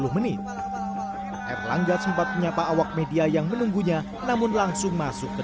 menit erlangga sempat menyapa awak media yang menunggunya namun langsung masuk ke